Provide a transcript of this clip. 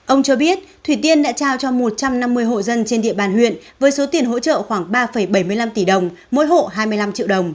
ông cho biết thủy tiên đã trao cho một trăm năm mươi hộ dân trên địa bàn huyện với số tiền hỗ trợ khoảng ba bảy mươi năm tỷ đồng mỗi hộ hai mươi năm triệu đồng